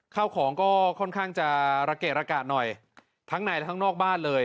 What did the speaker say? ข้าวของก็ค่อนข้างจะระเกะระกาศหน่อยทั้งในและข้างนอกบ้านเลย